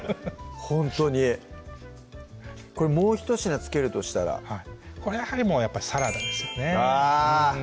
ほんとにこれもうひと品付けるとしたらこれはやはりサラダですよねあぁ